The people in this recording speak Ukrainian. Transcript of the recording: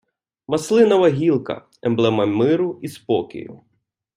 Маслинова гілка — емблема миру і спокою